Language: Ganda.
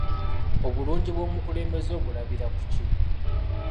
Obulungi bw'omukulembeze obulabira ku ki?